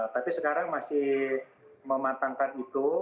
tapi sekarang masih mematangkan itu